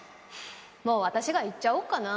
もう私が言っちゃおうかな。